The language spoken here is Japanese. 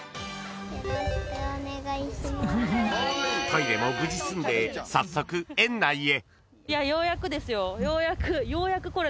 ［トイレも無事済んで早速園内へ］